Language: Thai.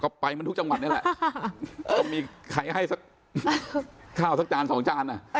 ก็ไปมันทุกจังหวัดนี่แหละก็มีใครให้สักข้าวสักจานสองจานอ่ะ